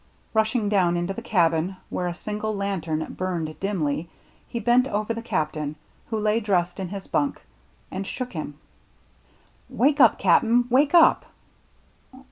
Rushing down into the cabin, where a single lantern burned dimly, he bent over the Captain, who lay dressed in his bunk, and shook him. " Wake up, Cap'n, wake up